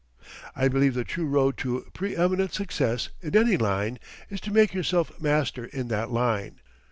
I believe the true road to preëminent success in any line is to make yourself master in that line.